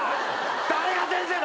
誰が先生だ！？